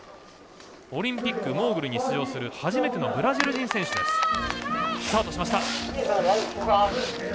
オリンピックモーグルに出場する初めてのブラジル人選手です。